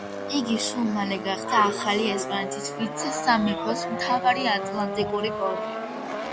იგი სულ მალე გახდა ახალი ესპანეთის ვიცე-სამეფოს მთავარი ატლანტიკური პორტი.